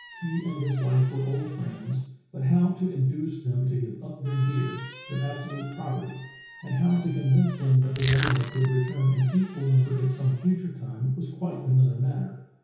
He and his wife were old friends, but how to induce them to give up their deer — their absolute property — and how to convince them that the govern ment would return an equal number at some future time was quite another matter.